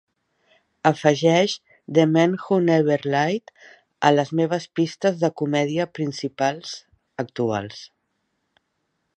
Afegeix The Man Who Never Lied a les meves pistes de comèdia principals actuals